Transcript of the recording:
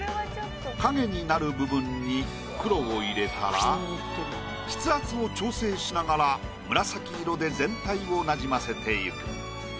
影になる部分に黒を入れたら筆圧を調整しながら紫色で全体をなじませていく。